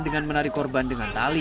dengan menarik korban dengan tali